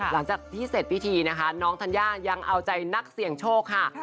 หลังจากที่เสร็จพิธีนะคะน้องธัญญายังเอาใจนักเสี่ยงโชคค่ะ